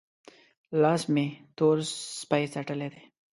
لاس مې تور سپۍ څټلی دی؟